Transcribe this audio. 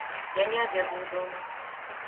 Я не обедаю дома.